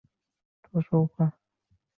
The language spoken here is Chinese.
大衡村。